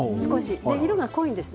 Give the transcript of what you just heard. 色が濃いんです。